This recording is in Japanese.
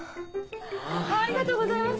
ありがとうございます！